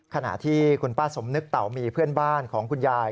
ขณะที่คุณป้าสมนึกเต่ามีเพื่อนบ้านของคุณยาย